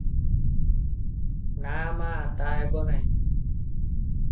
ନା ମା, ତା ହେବ ନାହିଁ ।